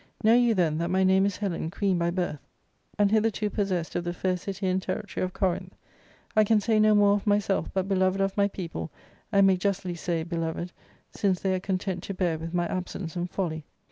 Know you, then, that my name is Helen, queen by birth, and hitherto possessed of the fair city and territory of Corinth. I can say no more of myself, but beloved of my people, and may justly say beloved, since they are content to bear with my absence and folly.